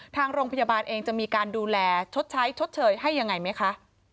ทางโรงพยาบาลเองจะมีการดูแลชดใช้ชดเชยให้ยังไงไหมคะ